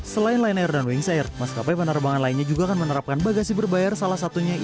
selain lion air bagasi berbayar juga bisa dilakukan oleh lion sejak delapan januari dua ribu sembilan belas